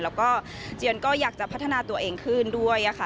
แล้วก็เจียนก็อยากจะพัฒนาตัวเองขึ้นด้วยค่ะ